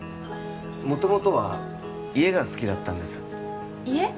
元々は家が好きだったんです家？